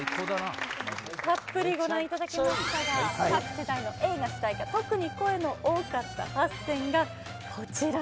たっぷりご覧いただきましたが各世代の映画主題歌特に声の多かった８選がこちら。